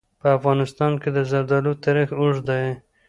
په افغانستان کې د زردالو تاریخ اوږد دی.